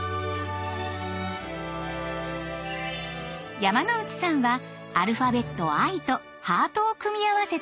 山之内さんはアルファベット「Ｉ」とハートを組み合わせた